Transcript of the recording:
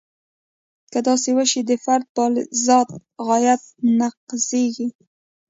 که داسې وشي د فرد بالذات غایه نقضیږي.